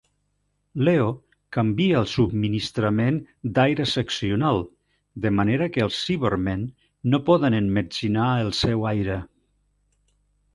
Leo canvia el subministrament d'aire seccional, de manera que els Cybermen no poden emmetzinar el seu aire.